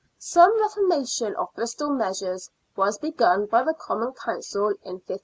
Some reformation of Bristol measures was begun by the Common Council in 1:569.